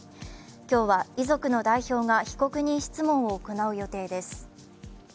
今日は遺族の代表が被告人質問を行う予定です